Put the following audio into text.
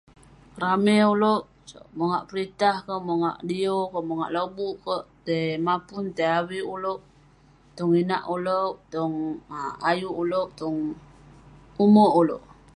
Rame oleuk mogak peritah keh mongak diuk mongak lobuk kek tai mapun tau avik oluek tong inak oleuk tong ayuk oluek tong umek oleuk